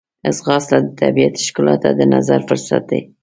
ځغاسته د طبیعت ښکلا ته د نظر فرصت دی